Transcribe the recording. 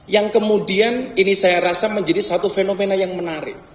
yang kemudian ini saya rasa menjadi satu fenomena yang menarik